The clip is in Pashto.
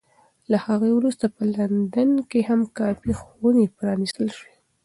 له هغې وروسته په لندن کې هم کافي خونې پرانېستل شوې.